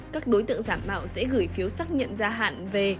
các đối tượng giả mạo sẽ gửi phiếu xác nhận gia hạn về